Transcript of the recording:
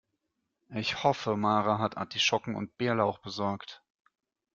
Ich hoffe, Mara hat Artischocken und Bärlauch besorgt.